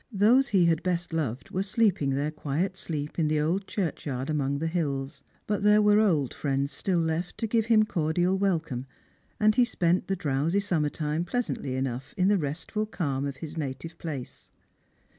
Those he had best loved were sleeping their quiet sleep in the old churchyard among the hills ; but there were old friends still left to give him cordial welcome, and he spent the drowsy summer time pleasantly r nough in the restful calm of his native place.